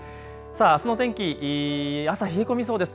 あすの天気、朝、冷え込みそうです。